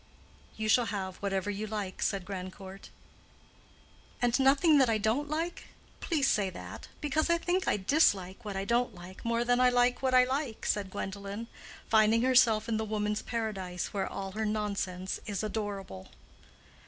"You shall have whatever you like," said Grandcourt. "And nothing that I don't like?—please say that; because I think I dislike what I don't like more than I like what I like," said Gwendolen, finding herself in the woman's paradise, where all her nonsense is adorable.